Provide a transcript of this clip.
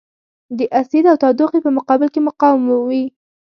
د اسید او تودوخې په مقابل کې مقاوم وي.